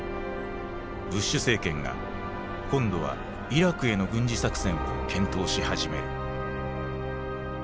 ブッシュ政権が今度はイラクへの軍事作戦を検討し始める。